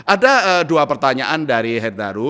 ada dua pertanyaan dari heddaru